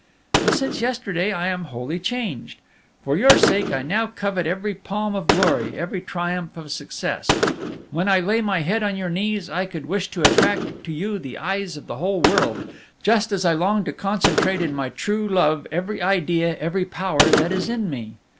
"But since yesterday I am wholly changed. For your sake I now covet every palm of glory, every triumph of success. When I lay my head on your knees, I could wish to attract to you the eyes of the whole world, just as I long to concentrate in my love every idea, every power that is in me.